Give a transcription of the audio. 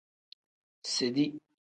Sedi.